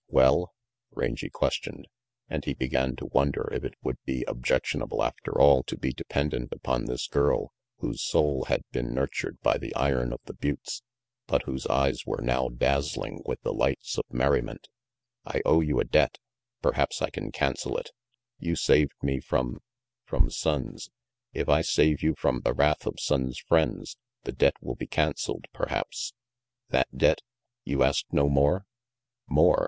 "Well?" Rangy questioned, and he began to wonder if it would be objectionable after all to be RANGY PETE 355 dependent upon this girl, whose soul had been nur tured by the iron of the buttes, but whose eyes were now dazzling with the lights of merriment. "I owe you a debt. Perhaps I can cancel it. You saved me from from Sonnes. If I save you from the wrath of Sonnes 5 friends, the debt will be can celled, perhaps?" "That debt? You ask no more?" "More?